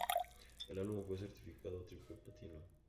El álbum fue certificado triple platino.